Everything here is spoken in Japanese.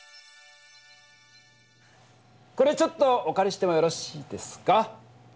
これちょっとおかりしてもよろしいですか？